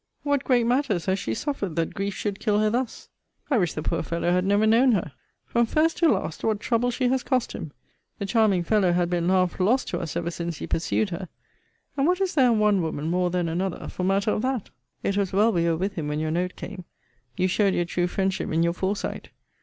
What great matters has she suffered, that grief should kill her thus? I wish the poor fellow had never known her. From first to last, what trouble she has cost him! The charming fellow had been half lost to us ever since he pursued her. And what is there in one woman more than another, for matter of that? It was well we were with him when your note came. Your showed your true friendship in your foresight.